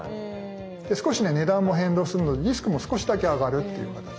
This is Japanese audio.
で少しね値段も変動するのでリスクも少しだけ上がるっていう形に。